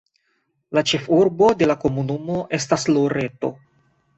La ĉefurbo de la komunumo estas Loreto.